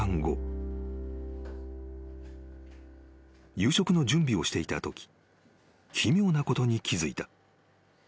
［夕食の準備をしていたとき奇妙なことに気付いた］